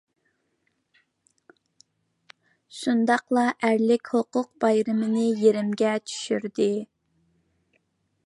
شۇنداقلا، ئەرلىك ھوقۇق بايرىقىنى يېرىم چۈشۈردى.